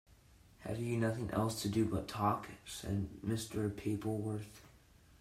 “Have you nothing else to do but talk?” said Mr. Pappleworth.